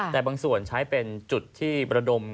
แต่บางส่วนใช้เป็นจุดที่ประดม